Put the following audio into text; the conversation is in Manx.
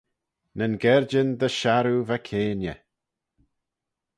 Nyn gaarjyn dy sharroo va keayney.